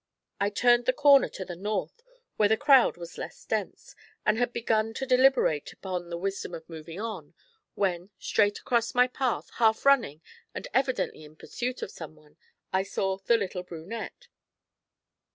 I turned the corner to the north, where the crowd was less dense, and had begun to deliberate upon the wisdom of moving on, when, straight across my path, half running and evidently in pursuit of some one, I saw the little brunette.